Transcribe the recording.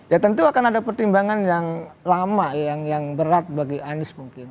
ya itu pertimbangan yang lama yang berat bagi anes mungkin